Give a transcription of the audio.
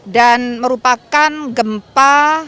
dan merupakan gempa